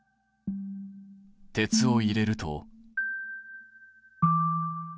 鉄を入れると。